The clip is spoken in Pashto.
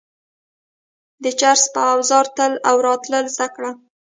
د جرس په اوزا تلل او راتلل زده کړه.